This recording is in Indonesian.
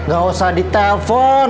gak usah di telfon